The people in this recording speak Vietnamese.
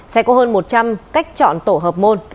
sẽ có hơn một trăm linh cách chọn tổ hợp môn